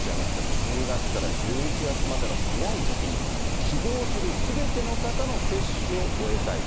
１０月から１１月までの早い時期に、希望するすべての方の接種を終えたいと。